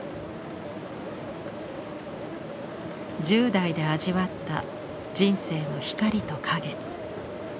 １０代で味わった人生の光と影。